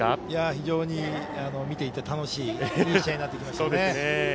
非常に見ていて楽しいいい試合になってきましたね。